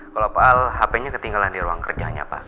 kalau pak al hpnya ketinggalan di ruang kerjanya pak